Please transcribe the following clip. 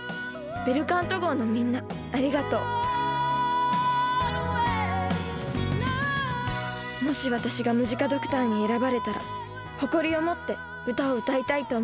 ベルカント号のみんなありがとうもし私がムジカドクターに選ばれたら誇りを持って歌を歌いたいと思います。